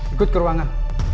ikut ke ruangan